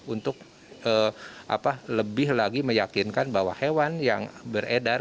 untuk lebih lagi meyakinkan bahwa hewan yang beredar